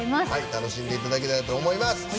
楽しんでいただけたらと思います。